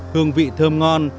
hương vị thơm ngon